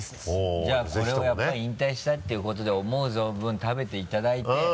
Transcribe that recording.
じゃあこれはやっぱり引退したっていうことで思う存分食べていただいて。